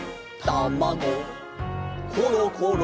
「たまごころころ」